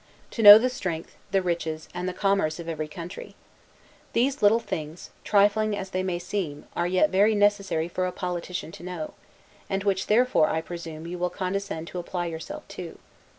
To know the strength, the riches, and the commerce of every country. These little things, trifling as they may seem, are yet very necessary for a politician to know; and which therefore, I presume, you will condescend to apply yourself to.